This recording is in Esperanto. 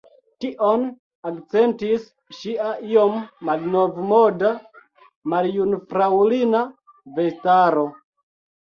Tion akcentis ŝia iom malnovmoda, maljunfraŭlina vestaro.